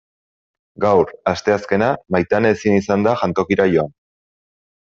Gaur, asteazkena, Maitane ezin izan da jantokira joan.